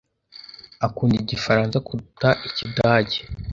Akunda Igifaransa kuruta Ikidage.